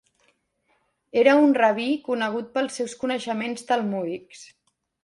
Era un rabí conegut pels seus coneixements talmúdics.